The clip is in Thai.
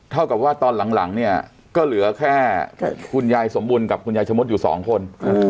เท่ากับว่าตอนหลังเนี่ยก็เหลือแค่คุณยายสมบูรณ์กับคุณยายชะมดอยู่สองคน